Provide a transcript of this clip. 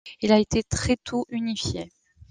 Il a été très tôt unifié.